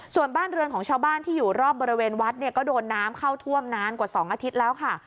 ส่วนบ้านเรือนของชาวบ้านที่อยู่รอบบริเวณวัดเนี่ยก็โดนน้ำเข้าท่วมนานกว่า๒อาทิตย์แล้วค่ะ